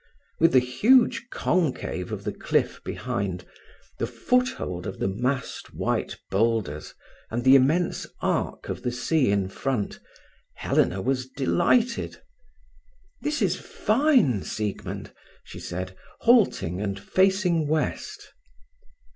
With the huge concave of the cliff behind, the foothold of massed white boulders, and the immense arc of the sea in front, Helena was delighted. "This is fine, Siegmund!" she said, halting and facing west.